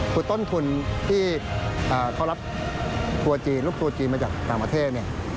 คือต้นทุนที่เขารับทัวร์จีนลูกทัวร์จีนมาจากต่างประเทศเนี่ย